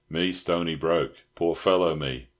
Me stony broke. Poor fellow me!